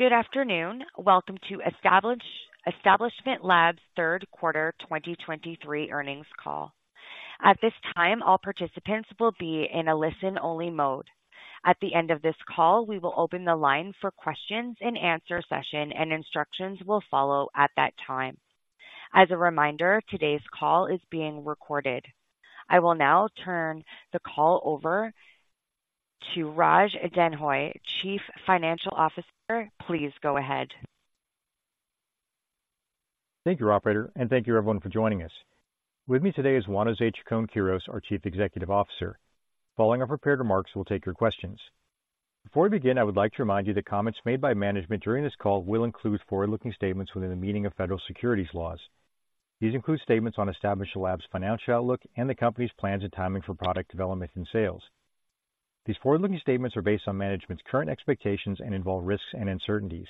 Good afternoon. Welcome to Establishment Labs' Q3 2023 earnings call. At this time, all participants will be in a listen-only mode. At the end of this call, we will open the line for questions and answer session, and instructions will follow at that time. As a reminder, today's call is being recorded. I will now turn the call over to Raj Denhoy, Chief Financial Officer. Please go ahead. Thank you, Operator, and thank you, everyone, for joining us. With me today is Juan José Chacón-Quirós, our Chief Executive Officer. Following our prepared remarks, we'll take your questions. Before we begin, I would like to remind you that comments made by management during this call will include forward-looking statements within the meaning of federal securities laws. These include statements on Establishment Labs' financial outlook and the Company's plans and timing for product development and sales. These forward-looking statements are based on management's current expectations and involve risks and uncertainties.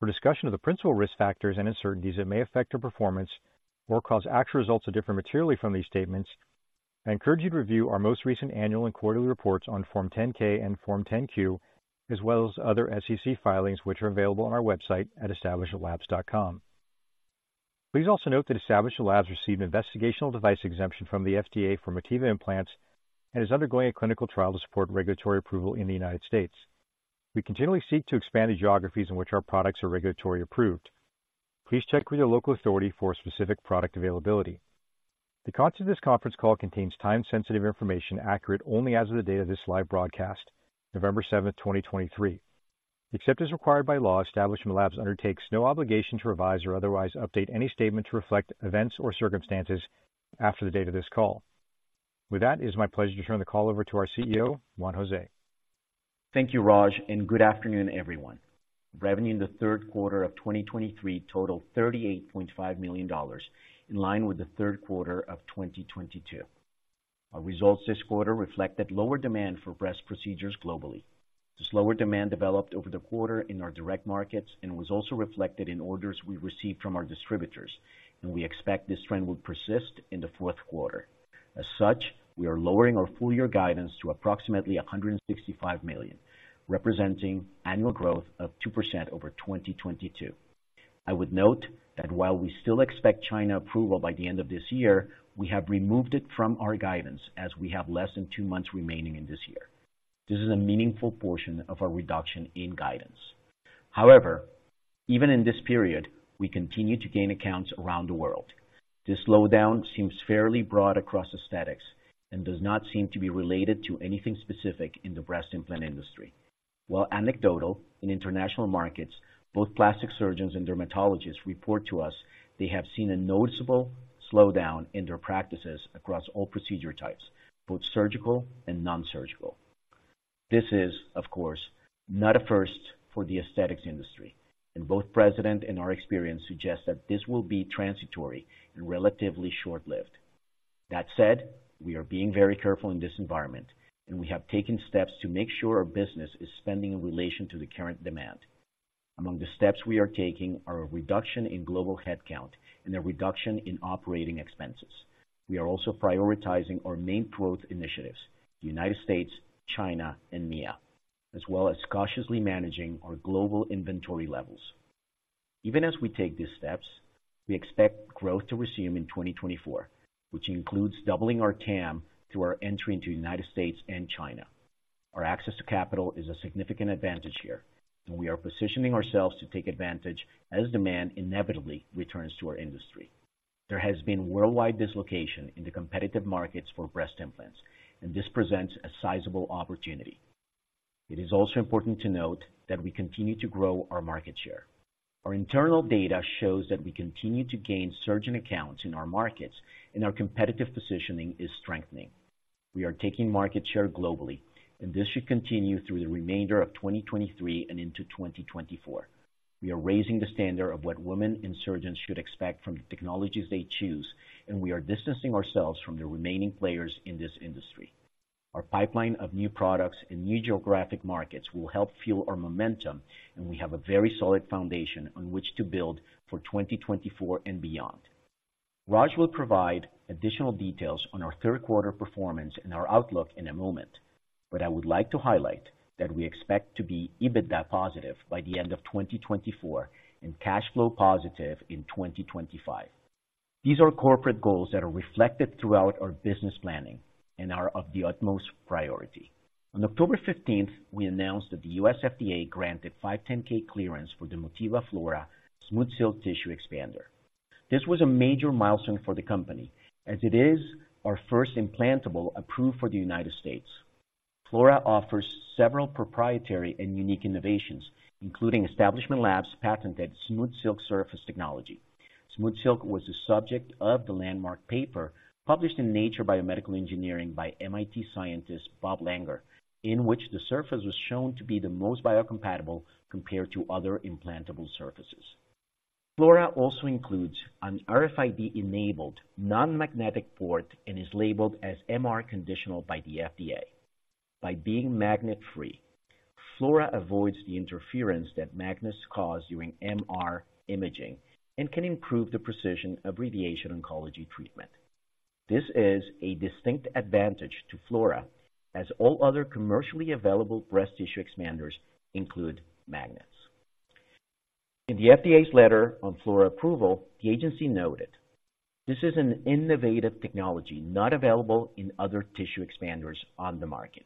For discussion of the principal risk factors and uncertainties that may affect our performance or cause actual results to differ materially from these statements, I encourage you to review our most recent annual and quarterly reports on Form 10-K and Form 10-Q, as well as other SEC filings, which are available on our website at establishmentlabs.com. Please also note that Establishment Labs received an investigational device exemption from the FDA for Motiva Implants and is undergoing a clinical trial to support regulatory approval in the United States. We continually seek to expand the geographies in which our products are regulatory approved. Please check with your local authority for specific product availability. The content of this conference call contains time-sensitive information, accurate only as of the date of this live broadcast, November 7, 2023. Except as required by law, Establishment Labs undertakes no obligation to revise or otherwise update any statement to reflect events or circumstances after the date of this call. With that, it is my pleasure to turn the call over to our CEO, Juan José. Thank you, Raj, and good afternoon, everyone. Revenue in the Q3 of 2023 totaled $38.5 million, in line with the Q3 of 2022. Our results this quarter reflected lower demand for breast procedures globally. This lower demand developed over the quarter in our direct markets and was also reflected in orders we received from our distributors, and we expect this trend will persist in the Q4. As such, we are lowering our full year guidance to approximately $165 million, representing annual growth of 2% over 2022. I would note that while we still expect China approval by the end of this year, we have removed it from our guidance as we have less than two months remaining in this year. This is a meaningful portion of our reduction in guidance. However, even in this period, we continue to gain accounts around the world. This slowdown seems fairly broad across aesthetics and does not seem to be related to anything specific in the breast implant industry. While anecdotal, in international markets, both plastic surgeons and dermatologists report to us they have seen a noticeable slowdown in their practices across all procedure types, both surgical and non-surgical. This is, of course, not a first for the aesthetics industry, and both precedent and our experience suggests that this will be transitory and relatively short-lived. That said, we are being very careful in this environment, and we have taken steps to make sure our business is spending in relation to the current demand. Among the steps we are taking are a reduction in global headcount and a reduction in operating expenses. We are also prioritizing our main growth initiatives, the United States, China, and EMEA, as well as cautiously managing our global inventory levels. Even as we take these steps, we expect growth to resume in 2024, which includes doubling our TAM through our entry into United States and China. Our access to capital is a significant advantage here, and we are positioning ourselves to take advantage as demand inevitably returns to our industry. There has been worldwide dislocation in the competitive markets for breast implants, and this presents a sizable opportunity. It is also important to note that we continue to grow our market share. Our internal data shows that we continue to gain surgeon accounts in our markets and our competitive positioning is strengthening. We are taking market share globally, and this should continue through the remainder of 2023 and into 2024. We are raising the standard of what women and surgeons should expect from the technologies they choose, and we are distancing ourselves from the remaining players in this industry. Our pipeline of new products and new geographic markets will help fuel our momentum, and we have a very solid foundation on which to build for 2024 and beyond. Raj will provide additional details on our Q3 performance and our outlook in a moment, but I would like to highlight that we expect to be EBITDA positive by the end of 2024 and cash flow positive in 2025. These are corporate goals that are reflected throughout our business planning and are of the utmost priority. On October 15th, we announced that the US FDA granted 510(k) clearance for the Motiva Flora SmoothSilk Tissue Expander. This was a major milestone for the company as it is our first implantable approved for the United States. Flora offers several proprietary and unique innovations, including Establishment Labs' patented SmoothSilk surface technology. SmoothSilk was the subject of the landmark paper published in Nature Biomedical Engineering by MIT scientist Bob Langer, in which the surface was shown to be the most biocompatible compared to other implantable surfaces. Flora also includes an RFID-enabled, non-magnetic port and is labeled as MR conditional by the FDA. By being magnet-free, Flora avoids the interference that magnets cause during MR imaging and can improve the precision of radiation oncology treatment.... This is a distinct advantage to Flora, as all other commercially available breast tissue expanders include magnets. In the FDA's letter on Flora approval, the agency noted, "This is an innovative technology not available in other tissue expanders on the market."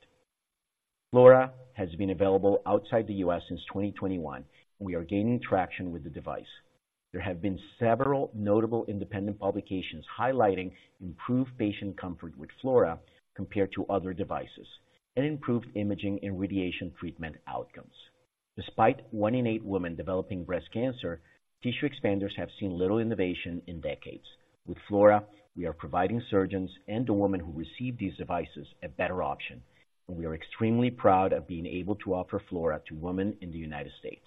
Flora has been available outside the US since 2021. We are gaining traction with the device. There have been several notable independent publications highlighting improved patient comfort with Flora compared to other devices, and improved imaging and radiation treatment outcomes. Despite one in eight women developing breast cancer, tissue expanders have seen little innovation in decades. With Flora, we are providing surgeons and the women who receive these devices a better option, and we are extremely proud of being able to offer Flora to women in the United States.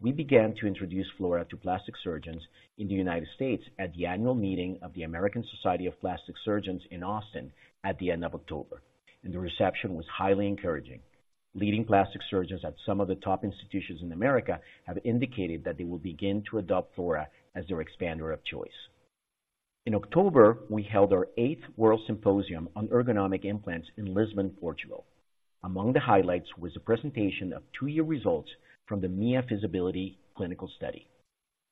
We began to introduce Flora to plastic surgeons in the United States at the annual meeting of the American Society of Plastic Surgeons in Austin at the end of October, and the reception was highly encouraging. Leading plastic surgeons at some of the top institutions in America have indicated that they will begin to adopt Flora as their expander of choice. In October, we held our eighth World Symposium on Ergonomic Implants in Lisbon, Portugal. Among the highlights was a presentation of two-year results from the Mia feasibility clinical study.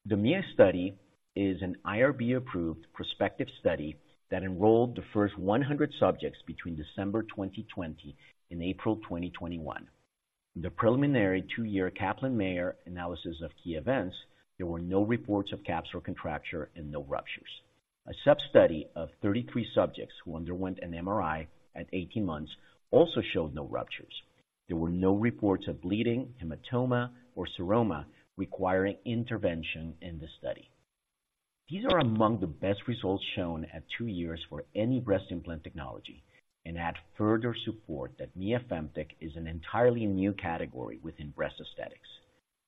The Mia study is an IRB-approved, prospective study that enrolled the first 100 subjects between December 2020 and April 2021. In the preliminary two-year Kaplan-Meier analysis of key events, there were no reports of capsular contracture and no ruptures. A sub-study of 33 subjects who underwent an MRI at 18 months also showed no ruptures. There were no reports of bleeding, hematoma, or seroma requiring intervention in the study. These are among the best results shown at 2 years for any breast implant technology and add further support that Mia FemTech is an entirely new category within breast aesthetics.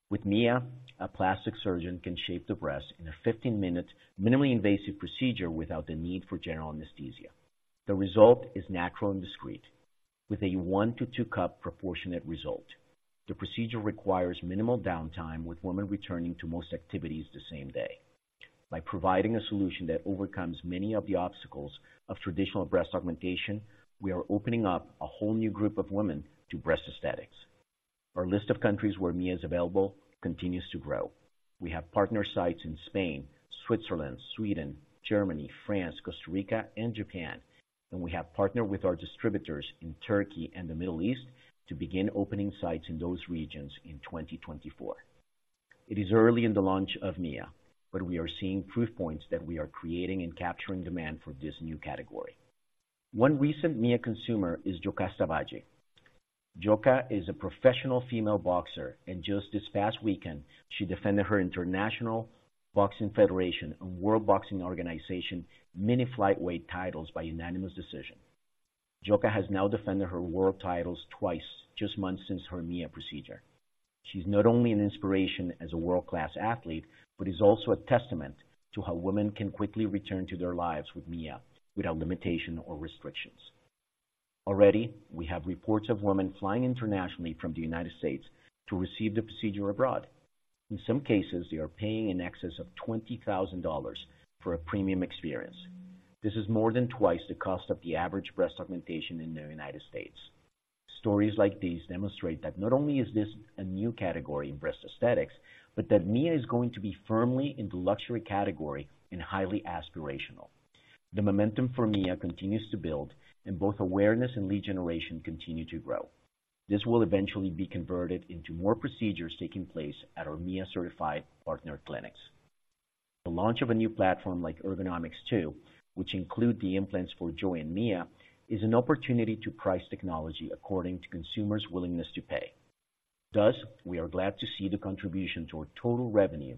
With Mia, a plastic surgeon can shape the breast in a 15-minute, minimally invasive procedure without the need for general anesthesia. The result is natural and discreet, with a 1-2 cup proportionate result. The procedure requires minimal downtime, with women returning to most activities the same day. By providing a solution that overcomes many of the obstacles of traditional breast augmentation, we are opening up a whole new group of women to breast aesthetics. Our list of countries where Mia is available continues to grow. We have partner sites in Spain, Switzerland, Sweden, Germany, France, Costa Rica, and Japan, and we have partnered with our distributors in Turkey and the Middle East to begin opening sites in those regions in 2024. It is early in the launch of Mia, but we are seeing proof points that we are creating and capturing demand for this new category. One recent Mia consumer is Yokasta Valle. Yoka is a professional female boxer, and just this past weekend, she defended her International Boxing Federation and World Boxing Organization mini lightweight titles by unanimous decision. Yoka has now defended her world titles twice, just months since her Mia procedure. She's not only an inspiration as a world-class athlete, but is also a testament to how women can quickly return to their lives with Mia without limitation or restrictions. Already, we have reports of women flying internationally from the United States to receive the procedure abroad. In some cases, they are paying in excess of $20,000 for a premium experience. This is more than twice the cost of the average breast augmentation in the United States. Stories like these demonstrate that not only is this a new category in breast aesthetics, but that Mia is going to be firmly in the luxury category and highly aspirational. The momentum for Mia continues to build, and both awareness and lead generation continue to grow. This will eventually be converted into more procedures taking place at our Mia-certified partner clinics. The launch of a new platform like Ergonomix2, which include the implants for JOY and Mia, is an opportunity to price technology according to consumers' willingness to pay. Thus, we are glad to see the contribution to our total revenue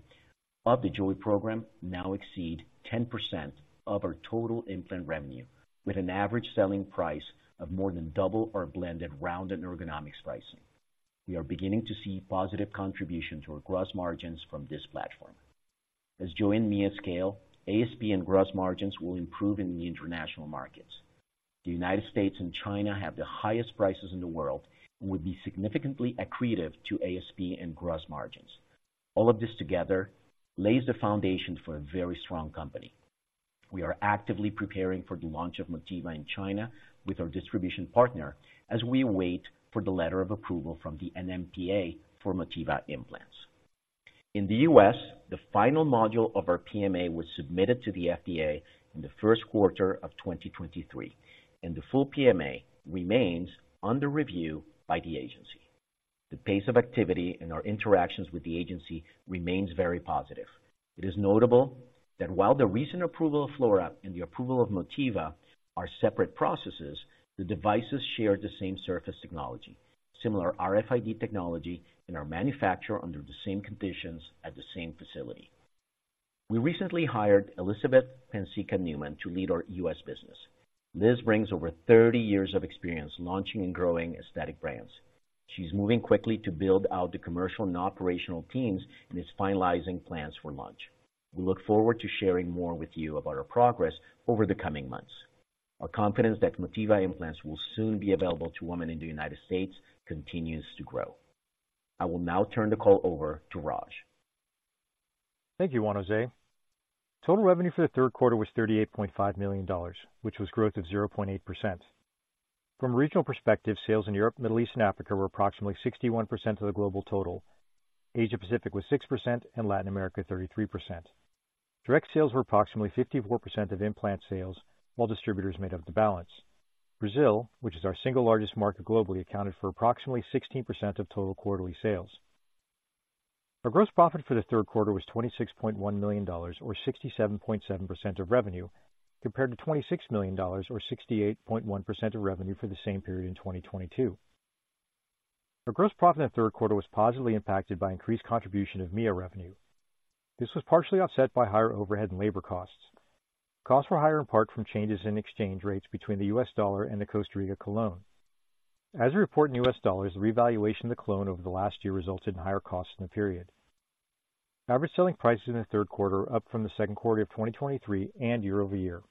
of the Joy program now exceed 10% of our total implant revenue, with an average selling price of more than double our blended round and Ergonomix pricing. We are beginning to see positive contribution to our gross margins from this platform. As JOY and Mia scale, ASP and gross margins will improve in the international markets. The United States and China have the highest prices in the world and would be significantly accretive to ASP and gross margins. All of this together lays the foundation for a very strong company. We are actively preparing for the launch of Motiva in China with our distribution partner as we wait for the letter of approval from the NMPA for Motiva implants. In the US, the final module of our PMA was submitted to the FDA in the Q1 of 2023, and the full PMA remains under review by the agency. The pace of activity and our interactions with the agency remains very positive. It is notable that while the recent approval of Flora and the approval of Motiva are separate processes, the devices share the same surface technology, similar RFID technology, and are manufactured under the same conditions at the same facility. We recently hired Liz Newman to lead our US business. Liz brings over 30 years of experience launching and growing aesthetic brands. She's moving quickly to build out the commercial and operational teams and is finalizing plans for launch. We look forward to sharing more with you about our progress over the coming months. Our confidence that Motiva Implants will soon be available to women in the United States continues to grow. I will now turn the call over to Raj. Thank you, Juan José. Total revenue for the Q3 was $38.5 million, which was growth of 0.8%. From a regional perspective, sales in Europe, Middle East, and Africa were approximately 61% of the global total. Asia Pacific was 6% and Latin America, 33%. Direct sales were approximately 54% of implant sales, while distributors made up the balance. Brazil, which is our single largest market globally, accounted for approximately 16% of total quarterly sales. Our gross profit for the Q3 was $26.1 million, or 67.7% of revenue, compared to $26 million, or 68.1% of revenue for the same period in 2022. Our gross profit in the Q3 was positively impacted by increased contribution of Mia revenue. This was partially offset by higher overhead and labor costs. Costs were higher, in part, from changes in exchange rates between the US dollar and the Costa Rican colón. As we report in US dollars, the revaluation of the colón over the last year resulted in higher costs in the period. Average selling prices in the Q3 are up from the Q2 of 2023 and year-over-year.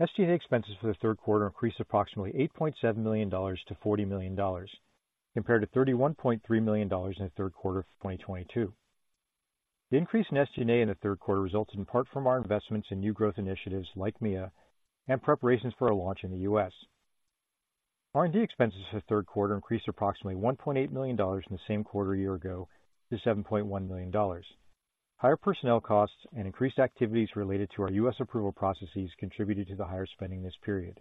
SG&A expenses for the Q3 increased approximately $8.7 million to $40 million, compared to $31.3 million in the Q3 of 2022. The increase in SG&A in the Q3 resulted in part from our investments in new growth initiatives like MIA and preparations for a launch in the US R&D expenses for the Q3 increased approximately $1.8 million from the same quarter a year ago to $7.1 million. Higher personnel costs and increased activities related to our US approval processes contributed to the higher spending this period.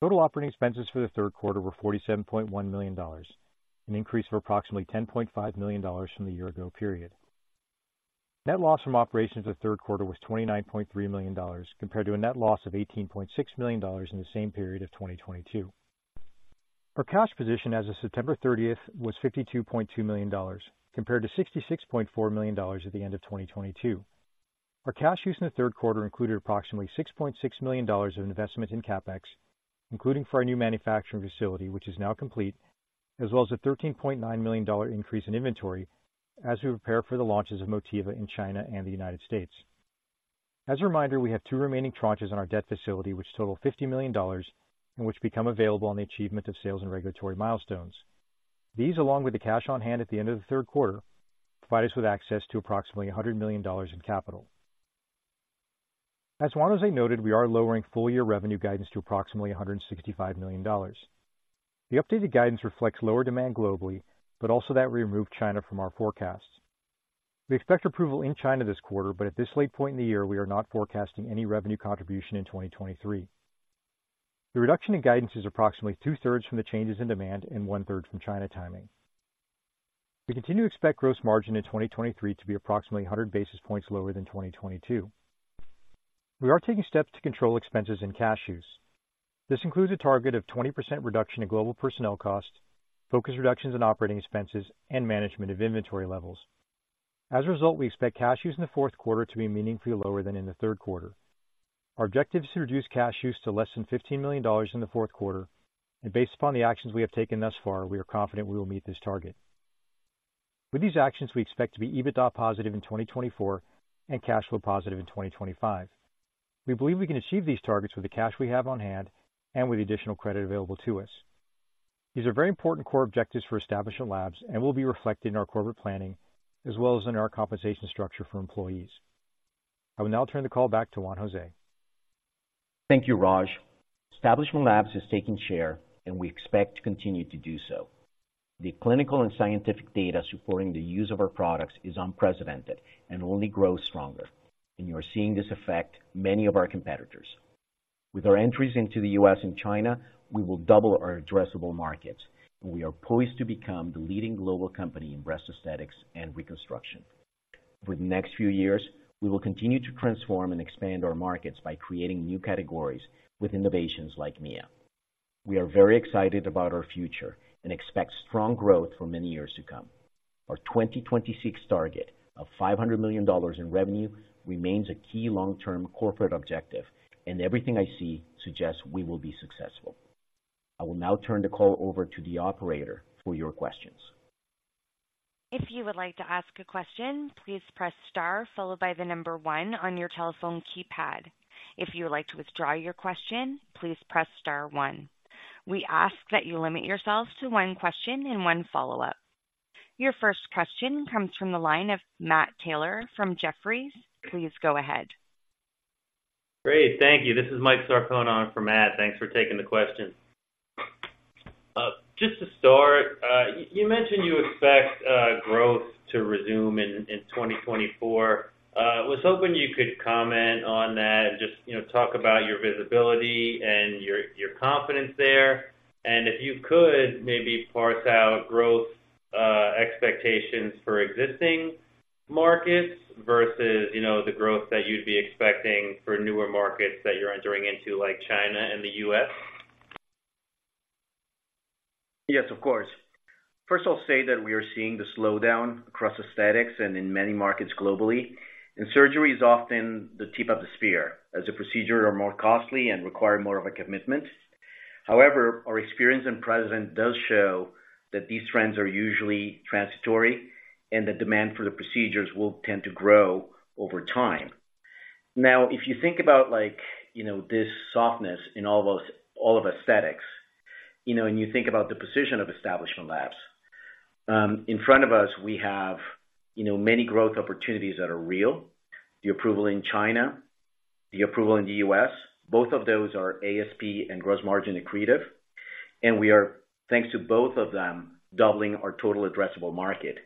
Total operating expenses for the Q3 were $47.1 million, an increase of approximately $10.5 million from the year-ago period. Net loss from operations in the Q3 was $29.3 million, compared to a net loss of $18.6 million in the same period of 2022. Our cash position as of September thirtieth was $52.2 million, compared to $66.4 million at the end of 2022. Our cash use in the Q3 included approximately $6.6 million of investment in CapEx, including for our new manufacturing facility, which is now complete, as well as a $13.9 million increase in inventory as we prepare for the launches of Motiva in China and the United States. As a reminder, we have two remaining tranches on our debt facility, which total $50 million and which become available on the achievement of sales and regulatory milestones. These, along with the cash on hand at the end of the Q3, provide us with access to approximately $100 million in capital. As Juan Jose noted, we are lowering full-year revenue guidance to approximately $165 million. The updated guidance reflects lower demand globally, but also that we removed China from our forecasts. We expect approval in China this quarter, but at this late point in the year, we are not forecasting any revenue contribution in 2023. The reduction in guidance is approximately two-thirds from the changes in demand and one-third from China timing. We continue to expect gross margin in 2023 to be approximately 100 basis points lower than 2022. We are taking steps to control expenses and cash use. This includes a target of 20% reduction in global personnel costs, focused reductions in operating expenses, and management of inventory levels. As a result, we expect cash use in the Q4 to be meaningfully lower than in the Q3. Our objective is to reduce cash use to less than $15 million in the Q4, and based upon the actions we have taken thus far, we are confident we will meet this target. With these actions, we expect to be EBITDA positive in 2024 and cash flow positive in 2025. We believe we can achieve these targets with the cash we have on hand and with the additional credit available to us. These are very important core objectives for Establishment Labs and will be reflected in our corporate planning as well as in our compensation structure for employees. I will now turn the call back to Juan José. Thank you, Raj. Establishment Labs is taking share, and we expect to continue to do so. The clinical and scientific data supporting the use of our products is unprecedented and only grows stronger, and you are seeing this affect many of our competitors. With our entries into the US and China, we will double our addressable markets, and we are poised to become the leading global company in breast aesthetics and reconstruction. Over the next few years, we will continue to transform and expand our markets by creating new categories with innovations like Mia Femtech. We are very excited about our future and expect strong growth for many years to come. Our 2026 target of $500 million in revenue remains a key long-term corporate objective, and everything I see suggests we will be successful. I will now turn the call over to the operator for your questions. If you would like to ask a question, please press Star, followed by the number one on your telephone keypad. If you would like to withdraw your question, please press Star one. We ask that you limit yourselves to one question and one follow-up. Your first question comes from the line of Matt Taylor from Jefferies. Please go ahead. Great. Thank you. This is Mike Sarcone on for Matt. Thanks for taking the question. Just to start, you mentioned you expect growth to resume in 2024. I was hoping you could comment on that and just, you know, talk about your visibility and your confidence there. And if you could, maybe parse out growth expectations for existing markets versus, you know, the growth that you'd be expecting for newer markets that you're entering into, like China and the US Yes, of course. First, I'll say that we are seeing the slowdown across aesthetics and in many markets globally, and surgery is often the tip of the spear, as the procedures are more costly and require more of a commitment. However, our experience and precedent does show that these trends are usually transitory and that demand for the procedures will tend to grow over time... Now, if you think about, like, you know, this softness in all those, all of aesthetics, you know, and you think about the position of Establishment Labs, in front of us, we have, you know, many growth opportunities that are real. The approval in China, the approval in the US, both of those are ASP and gross margin accretive, and we are, thanks to both of them, doubling our total addressable market.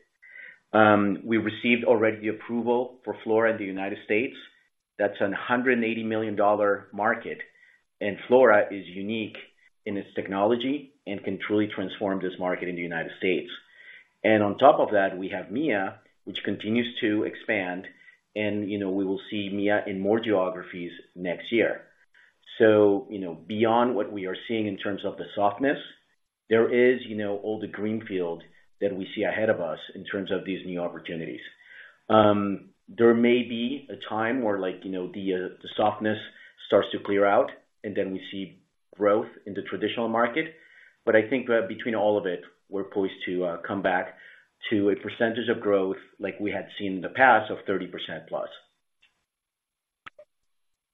We received already the approval for Flora in the United States. That's a $180 million market, and Flora is unique in its technology and can truly transform this market in the United States. And on top of that, we have Mia, which continues to expand and, you know, we will see Mia in more geographies next year. So, you know, beyond what we are seeing in terms of the softness, there is, you know, all the greenfield that we see ahead of us in terms of these new opportunities. There may be a time where like, you know, the the softness starts to clear out, and then we see growth in the traditional market. But I think, between all of it, we're poised to come back to a percentage of growth like we had seen in the past of 30%+.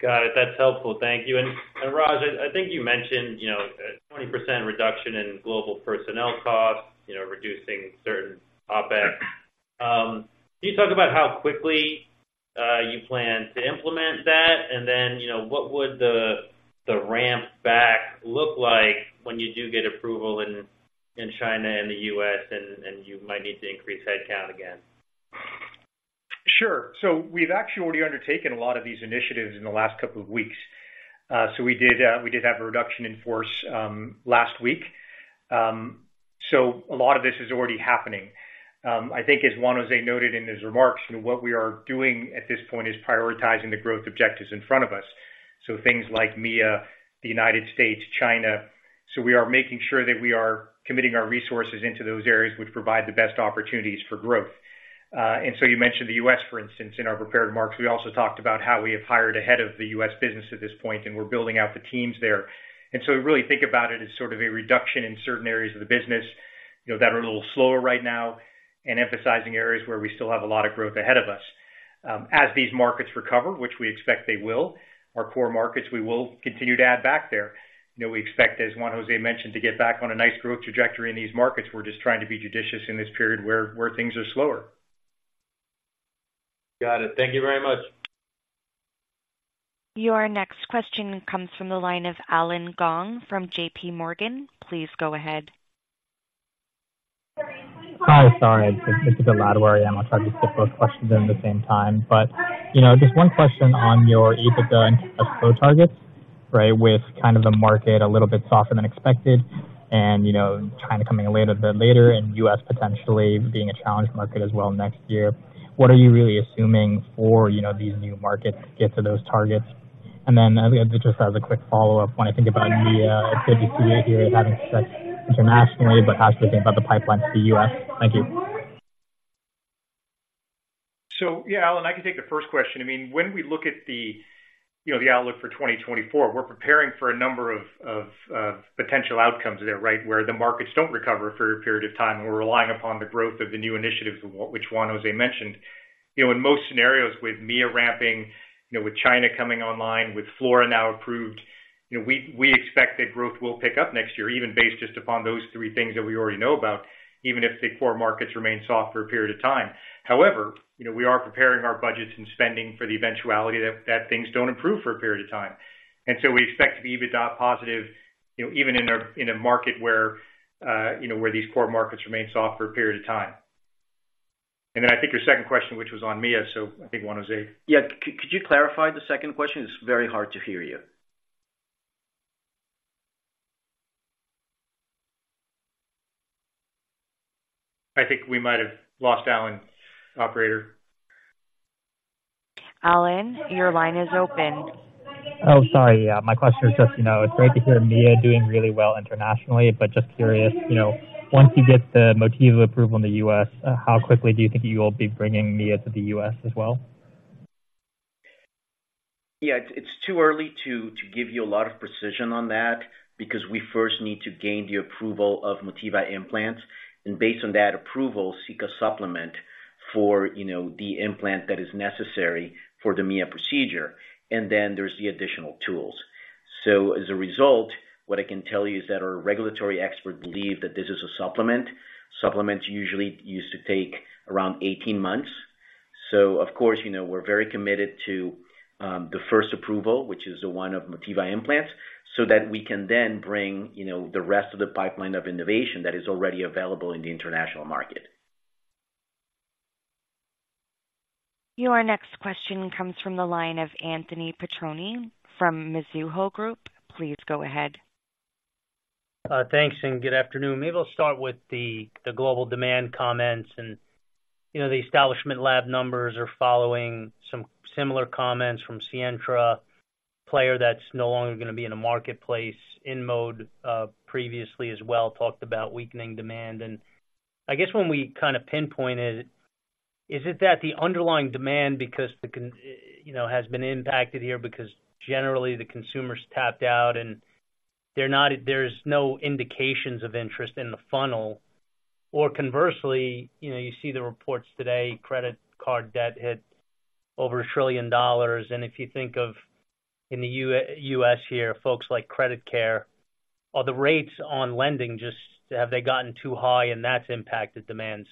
Got it. That's helpful. Thank you. And Raj, I think you mentioned, you know, a 20% reduction in global personnel costs, you know, reducing certain OpEx. Can you talk about how quickly you plan to implement that? And then, you know, what would the ramp back look like when you do get approval in China and the US and you might need to increase headcount again? Sure. So we've actually already undertaken a lot of these initiatives in the last couple of weeks. So we did have a reduction in force last week. So a lot of this is already happening. I think as Juan José noted in his remarks, you know, what we are doing at this point is prioritizing the growth objectives in front of us. So things like Mia, the United States, China. So we are making sure that we are committing our resources into those areas which provide the best opportunities for growth. And so you mentioned the US, for instance. In our prepared remarks, we also talked about how we have hired ahead of the US business at this point, and we're building out the teams there. So we really think about it as sort of a reduction in certain areas of the business, you know, that are a little slower right now and emphasizing areas where we still have a lot of growth ahead of us. As these markets recover, which we expect they will, our core markets, we will continue to add back there. You know, we expect, as Juan José mentioned, to get back on a nice growth trajectory in these markets. We're just trying to be judicious in this period where things are slower. Got it. Thank you very much. Your next question comes from the line of Allen Gong from JP Morgan. Please go ahead. Hi. Sorry, it's a bit loud where I am. I tried to slip both questions in the same time. But, you know, just one question on your EBITDA and flow targets, right? With kind of the market a little bit softer than expected and, you know, China coming a little bit later and US potentially being a challenged market as well next year, what are you really assuming for, you know, these new markets to get to those targets? And then just as a quick follow-up, when I think about Mia, good to see it here, having success internationally, but as we think about the pipeline to the US. Thank you. So, yeah, Allen, I can take the first question. I mean, when we look at the, you know, the outlook for 2024, we're preparing for a number of potential outcomes there, right? Where the markets don't recover for a period of time, and we're relying upon the growth of the new initiatives, which Juan José mentioned. You know, in most scenarios, with Mia ramping, you know, with China coming online, with Flora now approved, you know, we expect that growth will pick up next year, even based just upon those three things that we already know about, even if the core markets remain soft for a period of time. However, you know, we are preparing our budgets and spending for the eventuality that things don't improve for a period of time. So we expect to be EBITDA positive, you know, even in a market where, you know, where these core markets remain soft for a period of time. And then I think your second question, which was on Mia, so I think Juan José. Yeah. Could you clarify the second question? It's very hard to hear you. I think we might have lost Allen. Operator? Allen, your line is open. Oh, sorry. Yeah, my question is just, you know, it's great to hear Mia doing really well internationally, but just curious, you know, once you get the Motiva approval in the US, how quickly do you think you will be bringing Mia to the US as well? Yeah, it's too early to give you a lot of precision on that because we first need to gain the approval of Motiva Implants, and based on that approval, seek a supplement for, you know, the implant that is necessary for the Mia procedure, and then there's the additional tools. So as a result, what I can tell you is that our regulatory experts believe that this is a supplement. Supplements usually used to take around 18 months. So of course, you know, we're very committed to the first approval, which is the one of Motiva Implants, so that we can then bring, you know, the rest of the pipeline of innovation that is already available in the international market. Your next question comes from the line of Anthony Petroni from Mizuho Group. Please go ahead. Thanks, and good afternoon. Maybe I'll start with the global demand comments and, you know, the Establishment Labs numbers are following some similar comments from Sientra, player that's no longer going to be in the marketplace. InMode previously as well talked about weakening demand. And I guess when we kind of pinpoint it, is it that the underlying demand, because the consumer, you know, has been impacted here, because generally the consumer's tapped out and they're not—there's no indications of interest in the funnel?... Or conversely, you know, you see the reports today, credit card debt hit over $1 trillion. And if you think of in the US here, folks like credit card, are the rates on lending just, have they gotten too high and that's impacted demand?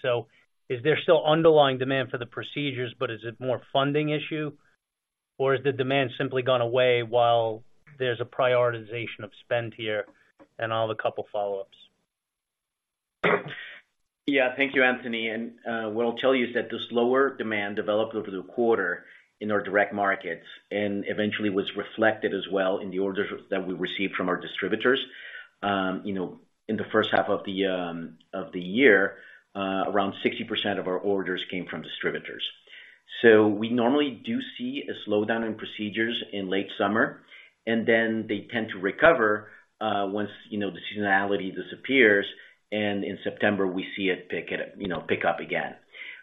Is there still underlying demand for the procedures, but is it more funding issue, or has the demand simply gone away while there's a prioritization of spend here? I'll have a couple follow-up Yeah. Thank you, Anthony. What I'll tell you is that the slower demand developed over the quarter in our direct markets, and eventually was reflected as well in the orders that we received from our distributors. You know, in the first half of the year, around 60% of our orders came from distributors. So we normally do see a slowdown in procedures in late summer, and then they tend to recover once, you know, the seasonality disappears, and in September, we see it pick it, you know, pick up again.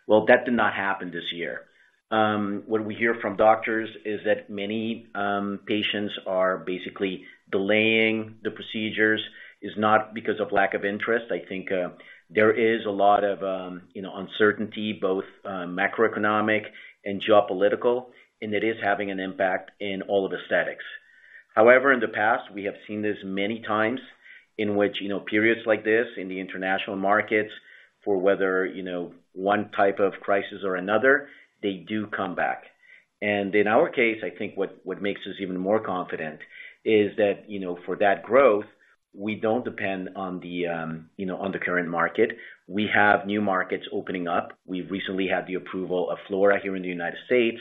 Well, that did not happen this year. What we hear from doctors is that many patients are basically delaying the procedures. It's not because of lack of interest. I think, there is a lot of, you know, uncertainty, both, macroeconomic and geopolitical, and it is having an impact in all of aesthetics. However, in the past, we have seen this many times in which, you know, periods like this in the international markets for whether, you know, one type of crisis or another, they do come back. And in our case, I think what, what makes us even more confident is that, you know, for that growth, we don't depend on the, you know, on the current market. We have new markets opening up. We've recently had the approval of Flora here in the United States,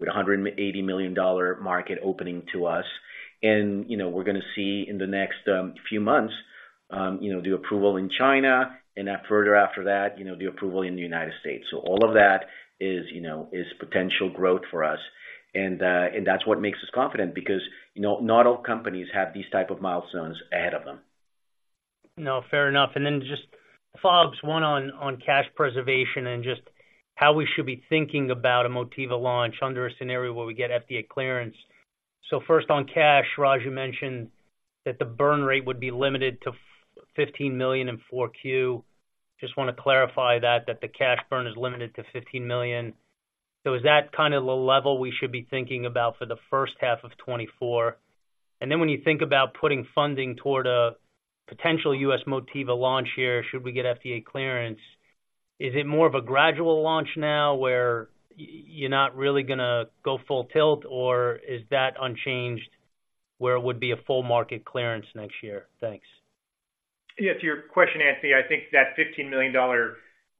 with a $180 million market opening to us. And, you know, we're gonna see in the next few months, you know, the approval in China, and then further after that, you know, the approval in the United States. So all of that is, you know, is potential growth for us. And, and that's what makes us confident, because, you know, not all companies have these type of milestones ahead of them. No, fair enough. And then just, folks, one on cash preservation and just how we should be thinking about a Motiva launch under a scenario where we get FDA clearance. So first on cash, Raj mentioned that the burn rate would be limited to $15 million in 4Q. Just want to clarify that the cash burn is limited to $15 million. So is that kind of the level we should be thinking about for the first half of 2024? And then when you think about putting funding toward a potential US Motiva launch here, should we get FDA clearance, is it more of a gradual launch now where you're not really gonna go full tilt, or is that unchanged, where it would be a full market clearance next year? Thanks. Yeah, to your question, Anthony, I think that $15 million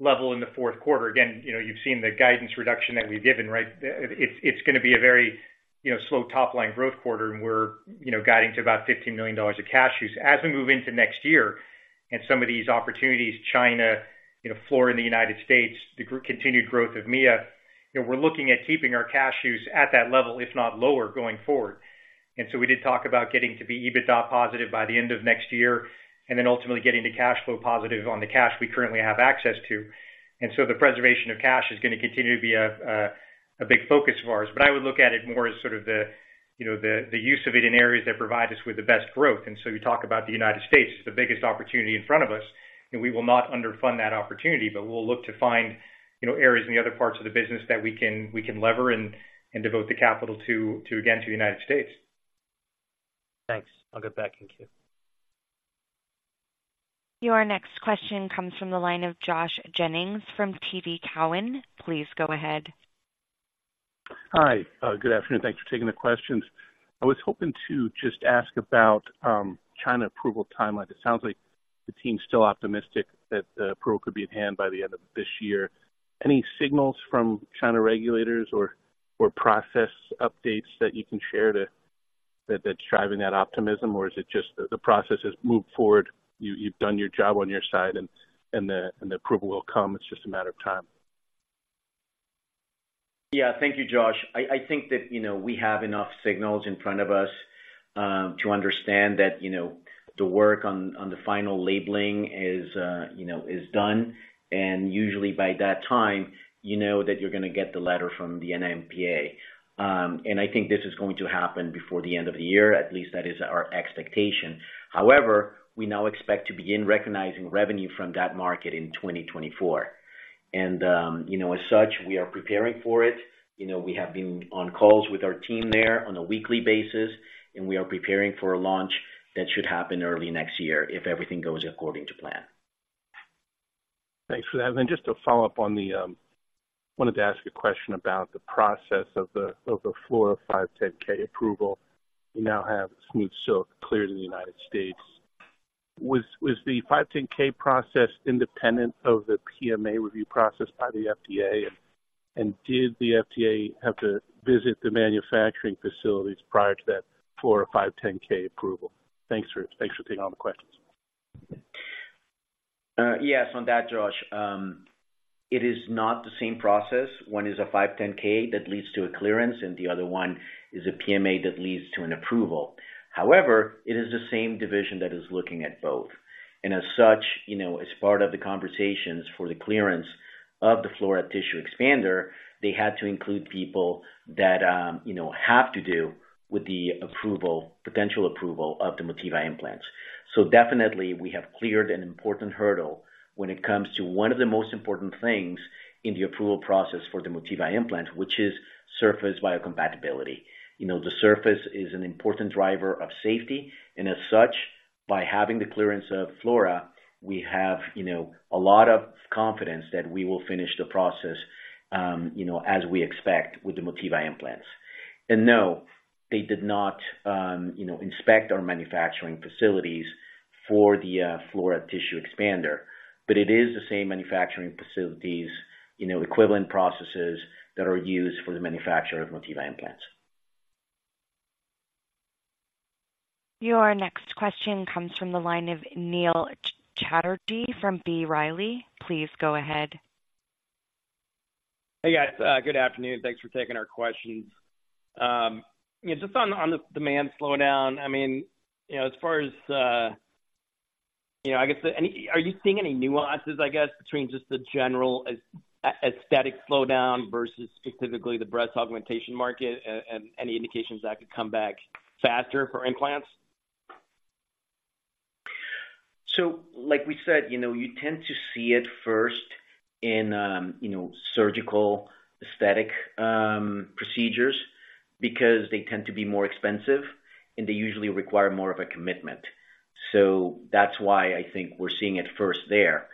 level in the Q4, again, you know, you've seen the guidance reduction that we've given, right? It's gonna be a very, you know, slow top-line growth quarter, and we're, you know, guiding to about $15 million of cash use. As we move into next year and some of these opportunities, China, you know, Flora in the United States, the continued growth of Mia, you know, we're looking at keeping our cash use at that level, if not lower, going forward. We did talk about getting to be EBITDA positive by the end of next year, and then ultimately getting to cash flow positive on the cash we currently have access to. The preservation of cash is gonna continue to be a big focus of ours. But I would look at it more as sort of the, you know, the use of it in areas that provide us with the best growth. And so you talk about the United States, it's the biggest opportunity in front of us, and we will not underfund that opportunity, but we'll look to find, you know, areas in the other parts of the business that we can lever and devote the capital to, again, to the United States. Thanks. I'll get back in queue. Your next question comes from the line of Josh Jennings from TD Cowen. Please go ahead. Hi, good afternoon. Thanks for taking the questions. I was hoping to just ask about China approval timeline. It sounds like the team's still optimistic that the approval could be at hand by the end of this year. Any signals from China regulators or process updates that you can share that that's driving that optimism? Or is it just the process has moved forward, you've done your job on your side and the approval will come, it's just a matter of time? Yeah. Thank you, Josh. I think that, you know, we have enough signals in front of us, to understand that, you know, the work on the final labeling is, you know, is done. Usually by that time, you know that you're gonna get the letter from the NMPA. And I think this is going to happen before the end of the year. At least that is our expectation. However, we now expect to begin recognizing revenue from that market in 2024. And, you know, as such, we are preparing for it. You know, we have been on calls with our team there on a weekly basis, and we are preparing for a launch that should happen early next year, if everything goes according to plan. Thanks for that. And then just to follow up on the wanted to ask a question about the process of the Flora 510(k) approval. You now have Smooth Silk cleared in the United States. Was the 510(k) process independent of the PMA review process by the FDA? And did the FDA have to visit the manufacturing facilities prior to that for the 510(k) approval? Thanks for taking all the questions. Yes, on that, Josh, it is not the same process. One is a 510(k) that leads to a clearance, and the other one is a PMA that leads to an approval. However, it is the same division that is looking at both. And as such, you know, as part of the conversations for the clearance of the Flora Tissue Expander, they had to include people that, you know, have to do with the approval, potential approval of the Motiva implants. So definitely we have cleared an important hurdle when it comes to one of the most important things in the approval process for the Motiva implants, which is surface biocompatibility. You know, the surface is an important driver of safety, and as such-... By having the clearance of Flora, we have, you know, a lot of confidence that we will finish the process, you know, as we expect with the Motiva Implants. And no, they did not, you know, inspect our manufacturing facilities for the Flora Tissue Expander, but it is the same manufacturing facilities, you know, equivalent processes that are used for the manufacture of Motiva Implants. Your next question comes from the line of Neil Chatterji from B. Riley. Please go ahead. Hey, guys, good afternoon. Thanks for taking our questions. Yeah, just on the demand slowdown, I mean, you know, as far as, you know, I guess, are you seeing any nuances, I guess, between just the general aesthetic slowdown versus specifically the breast augmentation market and any indications that could come back faster for implants? So, like we said, you know, you tend to see it first in, you know, surgical aesthetic procedures because they tend to be more expensive, and they usually require more of a commitment. So that's why I think we're seeing it first there.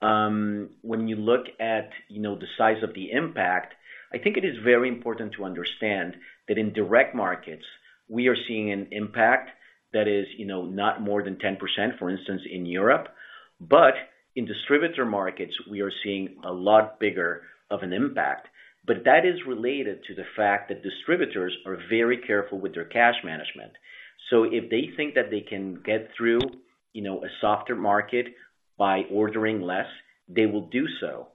When you look at, you know, the size of the impact, I think it is very important to understand that in direct markets, we are seeing an impact that is, you know, not more than 10%, for instance, in Europe. But in distributor markets, we are seeing a lot bigger of an impact. But that is related to the fact that distributors are very careful with their cash management. So if they think that they can get through, you know, a softer market by ordering less, they will do so.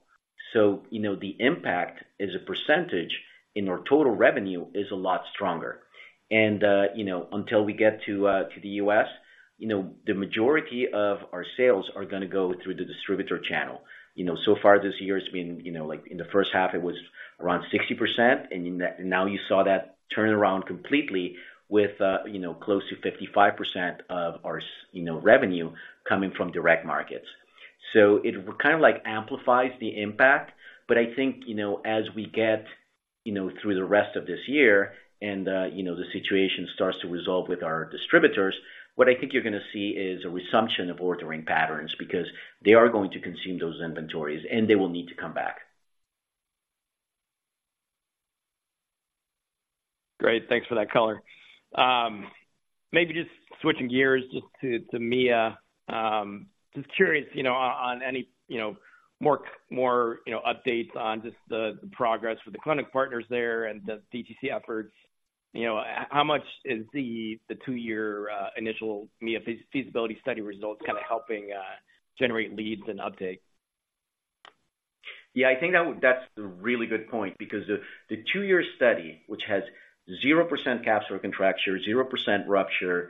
So, you know, the impact as a percentage in our total revenue is a lot stronger. And, you know, until we get to the US, you know, the majority of our sales are going to go through the distributor channel. You know, so far this year, it's been, you know, like in the first half, it was around 60%, and in that... Now you saw that turn around completely with, you know, close to 55% of our, you know, revenue coming from direct markets. So it kind of, like, amplifies the impact, but I think, you know, as we get, you know, through the rest of this year and, you know, the situation starts to resolve with our distributors, what I think you're going to see is a resumption of ordering patterns, because they are going to consume those inventories, and they will need to come back. Great, thanks for that color. Maybe just switching gears just to Mia. Just curious, you know, on any, you know, more updates on just the progress for the clinic partners there and the DTC efforts. You know, how much is the two-year initial Mia feasibility study results kind of helping generate leads and updates? Yeah, I think that's a really good point because the two-year study, which has 0% capsular contracture, 0% rupture,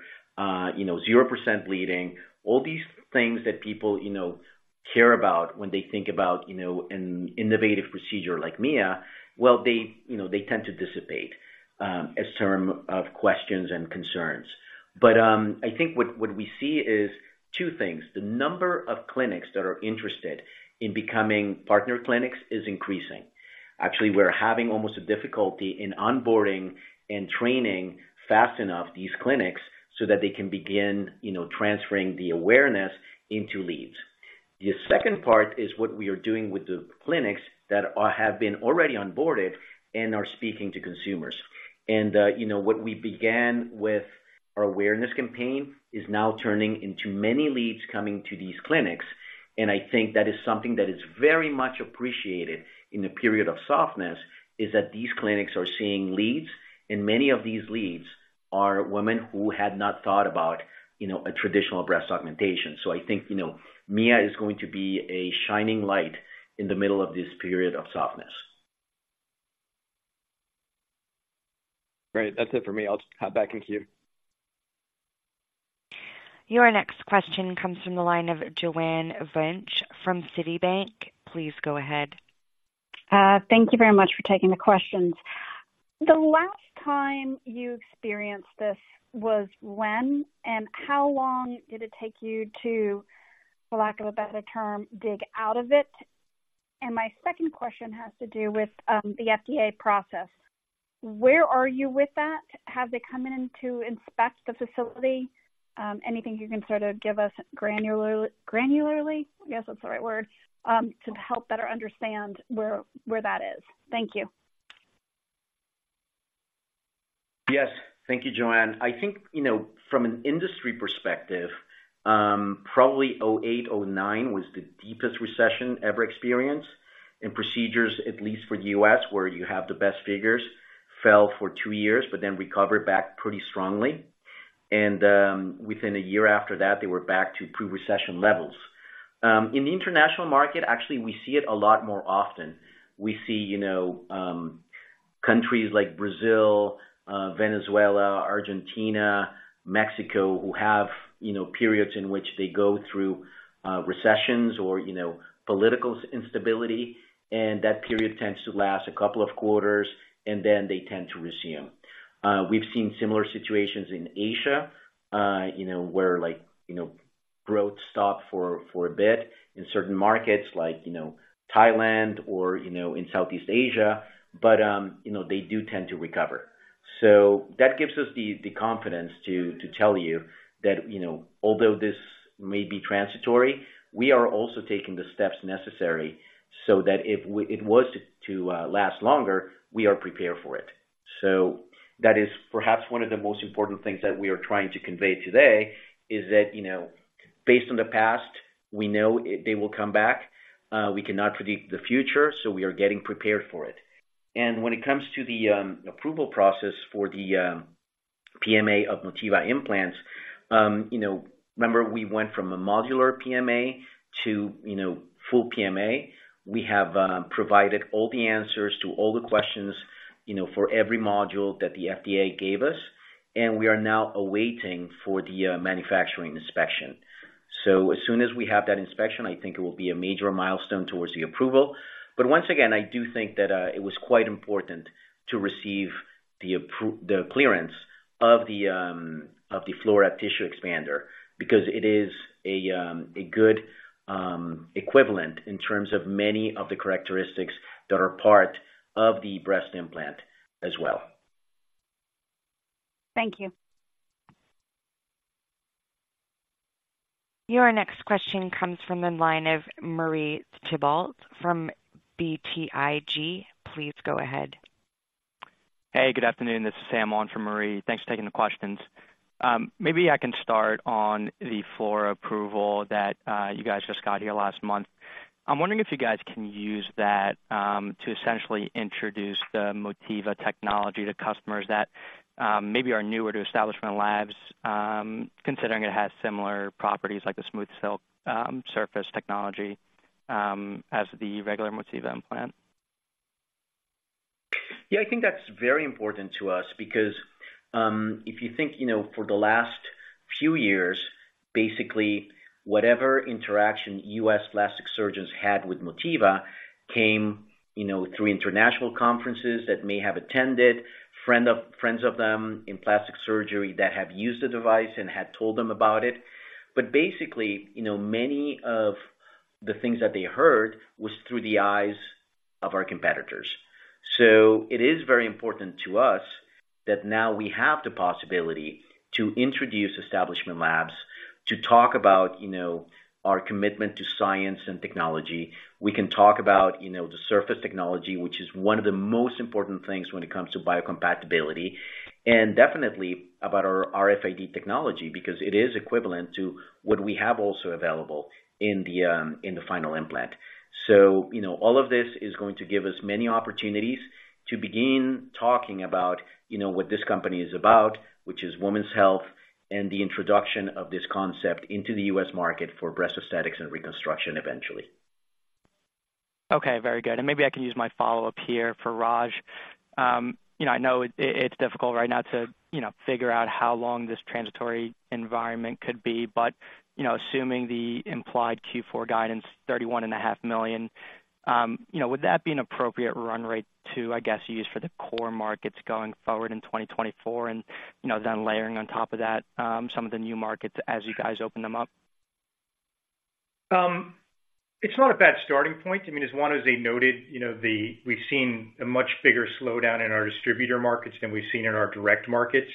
you know, 0% bleeding, all these things that people, you know, care about when they think about, you know, an innovative procedure like Mia, well, they, you know, they tend to dissipate in terms of questions and concerns. But I think what we see is two things. The number of clinics that are interested in becoming partner clinics is increasing. Actually, we're having almost a difficulty in onboarding and training fast enough these clinics so that they can begin, you know, transferring the awareness into leads. The second part is what we are doing with the clinics that have been already onboarded and are speaking to consumers. You know, what we began with our awareness campaign is now turning into many leads coming to these clinics, and I think that is something that is very much appreciated in the period of softness, is that these clinics are seeing leads, and many of these leads are women who had not thought about, you know, a traditional breast augmentation. So I think, you know, Mia is going to be a shining light in the middle of this period of softness. Great. That's it for me. I'll just hop back in queue. Your next question comes from the line of Joanne Wuensch from Citibank. Please go ahead. Thank you very much for taking the questions. The last time you experienced this was when, and how long did it take you to, for lack of a better term, dig out of it? And my second question has to do with the FDA process. Where are you with that? Have they come in to inspect the facility? Anything you can sort of give us granular, granularly, I guess that's the right word, to help better understand where, where that is? Thank you. Yes. Thank you, Joanne. I think, you know, from an industry perspective, probably 2008, 2009 was the deepest recession ever experienced, and procedures, at least for the US, where you have the best figures, fell for two years, but then recovered back pretty strongly. Within a year after that, they were back to pre-recession levels. In the international market, actually, we see it a lot more often. We see, you know, countries like Brazil, Venezuela, Argentina, Mexico, who have, you know, periods in which they go through recessions or, you know, political instability, and that period tends to last a couple of quarters, and then they tend to resume. We've seen similar situations in Asia, you know, where like, you know-... Growth stopped for a bit in certain markets like, you know, Thailand or, you know, in Southeast Asia, but, you know, they do tend to recover. So that gives us the confidence to tell you that, you know, although this may be transitory, we are also taking the steps necessary so that if it was to last longer, we are prepared for it. So that is perhaps one of the most important things that we are trying to convey today, is that, you know, based on the past, we know it, they will come back. We cannot predict the future, so we are getting prepared for it. And when it comes to the approval process for the PMA of Motiva Implants, you know, remember we went from a modular PMA to, you know, full PMA. We have provided all the answers to all the questions, you know, for every module that the FDA gave us, and we are now awaiting for the manufacturing inspection. So as soon as we have that inspection, I think it will be a major milestone towards the approval. But once again, I do think that it was quite important to receive the clearance of the Flora tissue expander, because it is a good equivalent in terms of many of the characteristics that are part of the breast implant as well. Thank you. Your next question comes from the line of Marie Thibault from BTIG. Please go ahead. Hey, good afternoon. This is Sam on for Marie. Thanks for taking the questions. Maybe I can start on the Flora approval that you guys just got here last month. I'm wondering if you guys can use that to essentially introduce the Motiva technology to customers that maybe are newer to Establishment Labs, considering it has similar properties like the Smooth Silk surface technology as the regular Motiva implant. Yeah, I think that's very important to us because if you think, you know, for the last few years, basically, whatever interaction US plastic surgeons had with Motiva came, you know, through international conferences that may have attended, friends of them in plastic surgery that have used the device and had told them about it. But basically, you know, many of the things that they heard was through the eyes of our competitors. So it is very important to us that now we have the possibility to introduce Establishment Labs, to talk about, you know, our commitment to science and technology. We can talk about, you know, the surface technology, which is one of the most important things when it comes to biocompatibility, and definitely about our RFID technology, because it is equivalent to what we have also available in the in the final implant. You know, all of this is going to give us many opportunities to begin talking about, you know, what this company is about, which is women's health and the introduction of this concept into the US market for breast aesthetics and reconstruction eventually. Okay, very good. And maybe I can use my follow-up here for Raj. You know, I know it's difficult right now to, you know, figure out how long this transitory environment could be, but, you know, assuming the implied Q4 guidance, $31.5 million, you know, would that be an appropriate run rate to, I guess, use for the core markets going forward in 2024? And, you know, then layering on top of that, some of the new markets as you guys open them up. It's not a bad starting point. I mean, as Juan José noted, you know, we've seen a much bigger slowdown in our distributor markets than we've seen in our direct markets.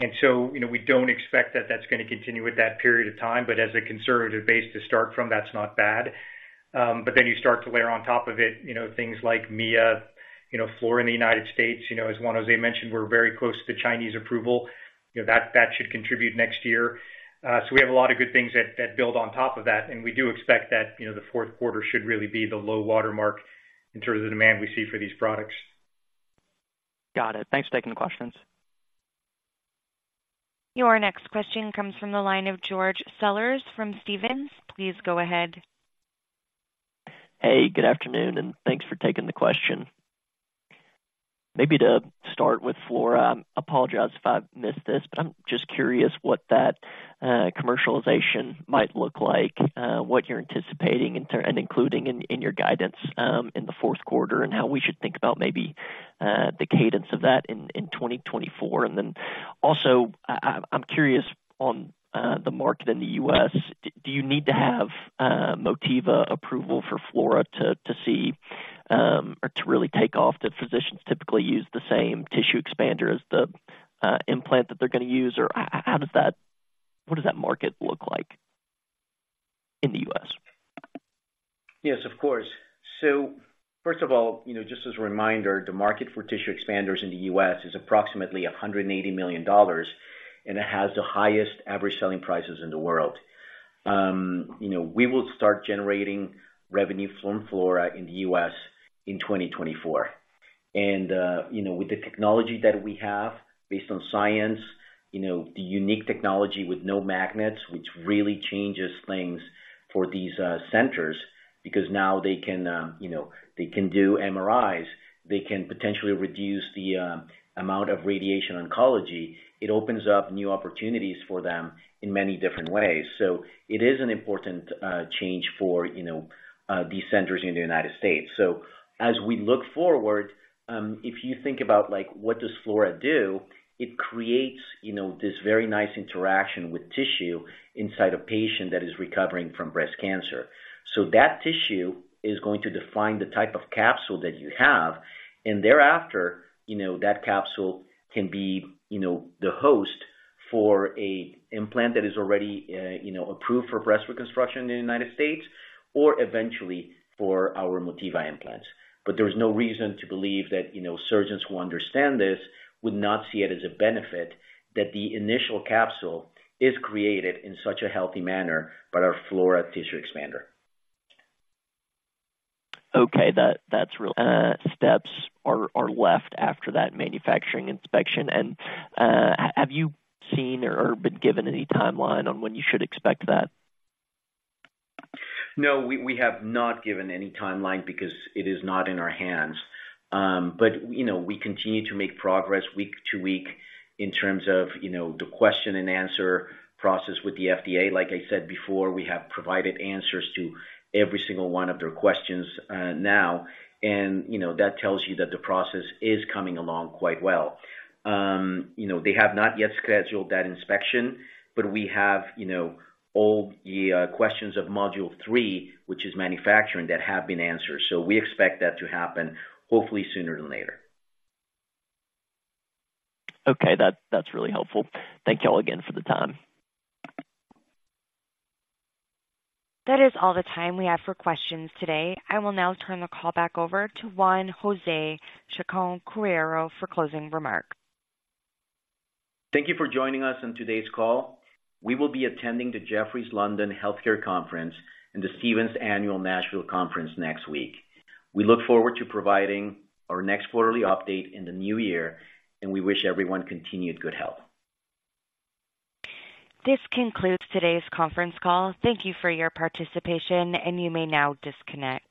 And so, you know, we don't expect that that's gonna continue with that period of time, but as a conservative base to start from, that's not bad. But then you start to layer on top of it, you know, things like Mia, you know, Flora in the United States, you know, as Juan José mentioned, we're very close to Chinese approval. You know, that should contribute next year. So we have a lot of good things that build on top of that, and we do expect that, you know, the Q4 should really be the low water mark in terms of the demand we see for these products. Got it. Thanks for taking the questions. Your next question comes from the line of George Sellers from Stephens. Please go ahead. Hey, good afternoon, and thanks for taking the question. Maybe to start with Flora, I apologize if I've missed this, but I'm just curious what that commercialization might look like, what you're anticipating in terms and including in your guidance in the Q4, and how we should think about maybe the cadence of that in 2024? And then also, I'm curious on the market in the US, do you need to have Motiva approval for Flora to see or to really take off? Do physicians typically use the same tissue expander as the implant that they're going to use? Or how does that... What does that market look like in the US? Yes, of course. So first of all, you know, just as a reminder, the market for tissue expanders in the US is approximately $180 million, and it has the highest average selling prices in the world. You know, we will start generating revenue from Flora in the US in 2024. And, you know, with the technology that we have, based on science, you know, the unique technology with no magnets, which really changes things for these centers, because now they can, you know, they can do MRIs, they can potentially reduce the amount of radiation oncology. It opens up new opportunities for them in many different ways. So it is an important change for, you know, these centers in the United States. So as we look forward, if you think about, like, what does Flora do? It creates, you know, this very nice interaction with tissue inside a patient that is recovering from breast cancer. So that tissue is going to define the type of capsule that you have, and thereafter, you know, that capsule can be, you know, the host for an implant that is already, you know, approved for breast reconstruction in the United States or eventually for our Motiva Implants. But there is no reason to believe that, you know, surgeons who understand this would not see it as a benefit, that the initial capsule is created in such a healthy manner by our Flora Tissue Expander. Okay, that's real. Steps are left after that manufacturing inspection. Have you seen or been given any timeline on when you should expect that? No, we have not given any timeline because it is not in our hands. But, you know, we continue to make progress week to week in terms of, you know, the question and answer process with the FDA. Like I said before, we have provided answers to every single one of their questions, now, and, you know, that tells you that the process is coming along quite well. You know, they have not yet scheduled that inspection, but we have, you know, all the questions of Module 3, which is manufacturing, that have been answered. So we expect that to happen hopefully sooner than later. Okay, that's, that's really helpful. Thank you all again for the time. That is all the time we have for questions today. I will now turn the call back over to Juan José Chacón-Quirós for closing remarks. Thank you for joining us on today's call. We will be attending the Jefferies London Healthcare Conference and the Stephens Annual Nashville Conference next week. We look forward to providing our next quarterly update in the new year, and we wish everyone continued good health. This concludes today's conference call. Thank you for your participation, and you may now disconnect.